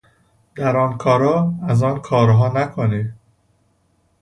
در آنکارا از آن کارها نکنی